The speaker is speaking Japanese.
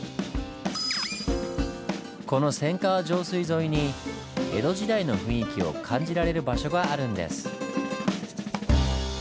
この千川上水沿いに江戸時代の雰囲気を感じられる場所があるんです。